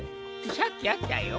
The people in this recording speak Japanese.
さっきあったよ。